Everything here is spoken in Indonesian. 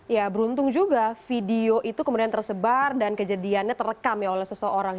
ya beruntung juga video itu kemudian tersebar dan kejadiannya terekam oleh seseorang